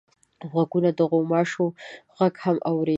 غوږونه د غوماشو غږ هم اوري